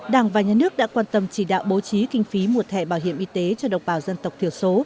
đảng và nhà nước đã quan tâm chỉ đạo bố trí kinh phí mua thẻ bảo hiểm y tế cho đồng bào dân tộc thiểu số